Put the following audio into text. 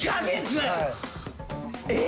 えっ？